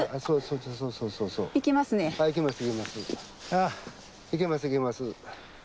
行けます行けます。